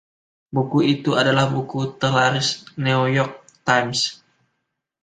Buku itu adalah buku terlaris "New York Times".